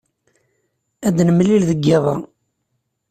Ad nemlil deg yiḍ-a.